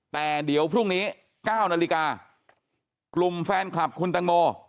แต่เดี๋ยวพรุ่งนี้๙นาฬิกากลุ่มแฟนคลับคุณตังโม